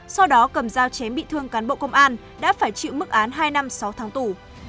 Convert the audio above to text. sau đó cầm dao chém bị thương cán bộ công an đã phải chịu mức án hai năm sáu tháng tù